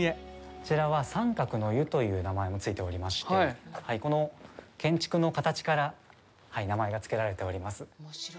こちらは△の湯という名前がついておりましてこの建築の形から名前がつけられております。